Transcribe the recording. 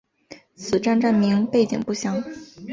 此站站名背景不详。